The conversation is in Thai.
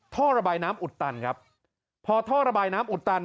ท่อระบายน้ำอุดตันครับพอท่อระบายน้ำอุดตัน